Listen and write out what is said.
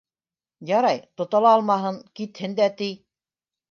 Ярай, тота ла алмаһын, китһен дә ти.